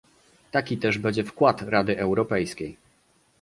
Taki też będzie wkład Rady Europejskiej